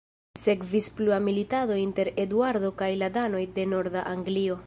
Sekvis plua militado inter Eduardo kaj la danoj de norda Anglio.